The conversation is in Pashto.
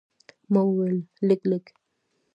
ما وویل، لږ، لږ.